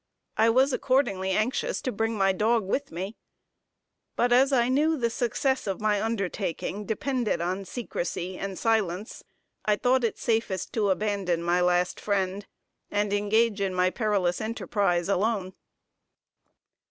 I was accordingly anxious to bring my dog with me; but as I knew the success of my undertaking depended on secrecy and silence, I thought it safest to abandon my last friend, and engage in my perilous enterprise alone.